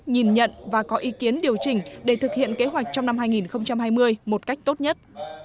nhìn nhận và có ý kiến điều chỉnh để thực hiện kế hoạch trong năm hai nghìn hai mươi một cách tốt nhất